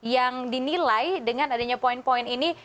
yang dinilai dengan adanya poin poin ini